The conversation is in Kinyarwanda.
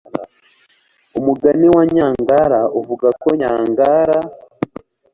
umugani wa nyangara uvuga ko nyangara